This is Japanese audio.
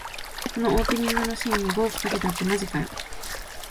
このオープニングのシーンに五億かけたってマジかよ